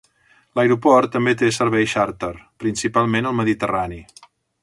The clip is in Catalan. L'aeroport també té serveis xàrter, principalment al Mediterrani.